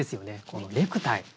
このネクタイ。